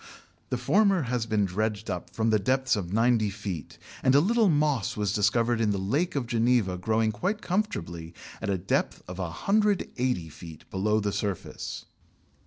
The former has been dredged up from depths of ninety feet, and a little moss was discovered in the Lake of Geneva growing quite comfortably at a depth of 180 feet below the surface.